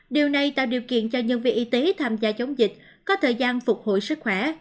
điều này tạo điều kiện cho nhân viên y tế tham gia chống dịch có thời gian phục hồi sức khỏe